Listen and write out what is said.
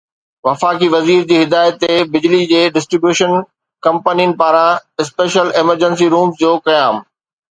وفاقي وزير جي هدايت تي بجلي جي ڊسٽري بيوشن ڪمپنين پاران اسپيشل ايمرجنسي رومز جو قيام